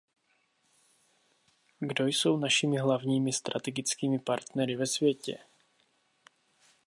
Kdo jsou našimi hlavními strategickými partnery ve světě?